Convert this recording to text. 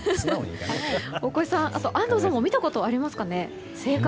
大越さん、安藤さんも見たことがありますかね。